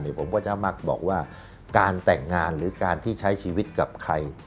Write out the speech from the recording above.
ผมก็จะมักบอกว่าการแต่งงานหรือการที่ใช้ชีวิตกับใคร